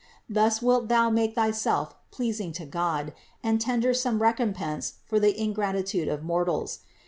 Thus wilt thou make thyself pleasing to God and tender some recompense for the ingratitude of mortals.